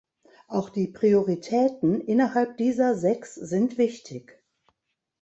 Auch die Prioritäten innerhalb dieser sechs sind wichtig.